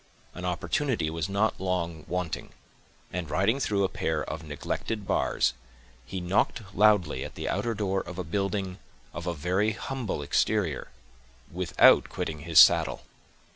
An opportunity was not long wanting; and, riding through a pair of neglected bars, he knocked loudly at the outer door of a building of a very humble exterior, without quitting his saddle.